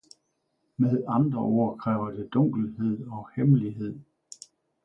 Med andre ord kræver det dunkelhed og hemmelighed.